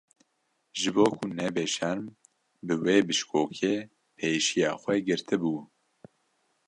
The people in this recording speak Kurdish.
Ji bo ku nebe şerm bi wê bişkokê pêşiya xwe girtibû.